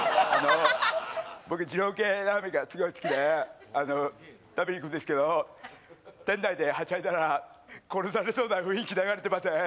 僕二郎系ラーメンがすごい好きであの食べいくんですけど店内ではしゃいだら殺されそうな雰囲気流れてません？